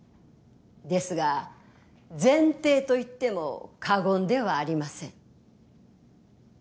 ですが前提と言っても過言ではありません。